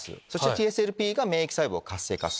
ＴＳＬＰが免疫細胞を活性化する。